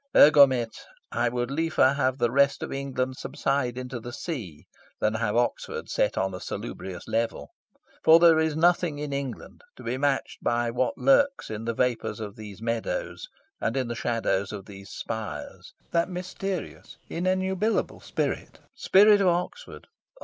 Egomet, I would liefer have the rest of England subside into the sea than have Oxford set on a salubrious level. For there is nothing in England to be matched with what lurks in the vapours of these meadows, and in the shadows of these spires that mysterious, inenubilable spirit, spirit of Oxford.